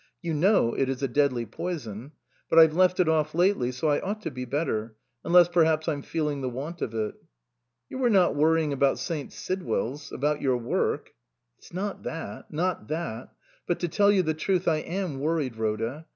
You know it is a deadly poison. But I've left it off lately, so I ought to be better unless perhaps I'm feeling the want of it." " You are not worrying about St. Sidwell's about your work ?"" It's not that not that. But to tell you the truth, I am worried, Rhoda.